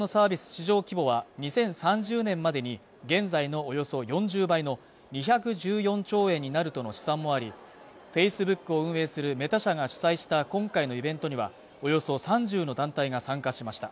市場規模は２０３０年までに現在のおよそ４０倍の２１４兆円になるとの試算もありＦａｃｅｂｏｏｋを運営するメタ社が主催した今回のイベントにはおよそ３０の団体が参加しました